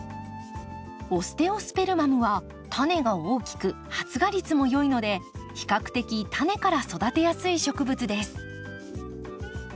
オステオスペルマムはタネが大きく発芽率も良いので比較的タネから育てやすい植物です。